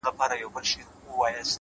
هڅاند ذهن د خنډونو بندیوان نه وي؛